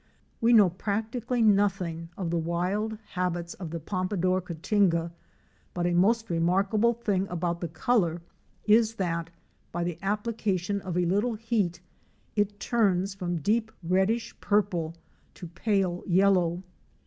We know practically nothing of the wild habits of the Pompadour Cotinga but a most remarkable thing about the color is that, by the application of a little heat, it turns from deep reddish purple to pale yellow.